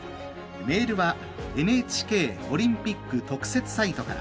メールはＮＨＫオリンピック特設サイトから。